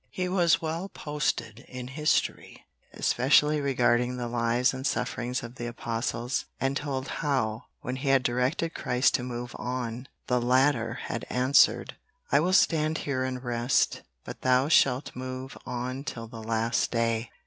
He was well posted in history, especially regarding the lives and sufferings of the Apostles, and told how, when he had directed Christ to move on, the latter had answered: "I will stand here and rest, but thou shalt move on till the last day."